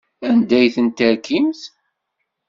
Anda ay ten-terkimt?